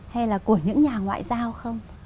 hay là của những nhà ngoại giao không